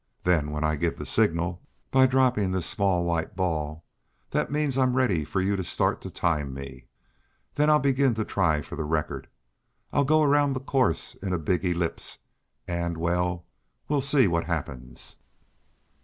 Then, when I give the signal, by dropping this small white ball, that means I'm ready for you to start to time me. Then I'll begin to try for the record. I'll go about the course in a big ellipse, and well, we'll see what happens."